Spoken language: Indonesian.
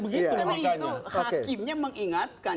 karena itu hakimnya mengingatkan